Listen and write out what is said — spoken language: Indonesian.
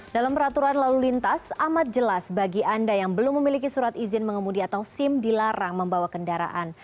dalam peraturan lalu lintas amat jelas bagi anda yang belum memiliki surat izin mengemudi atau sim dilarang membawa kendaraan